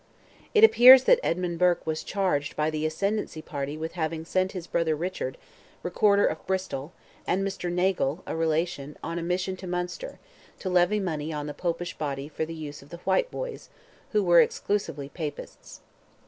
It appears that Edmund Burke was charged by the ascendancy party with having "sent his brother Richard, recorder of Bristol, and Mr. Nagle, a relation, on a mission to Munster, to levy money on the Popish body for the use of the Whiteboys, who were exclusively Papists."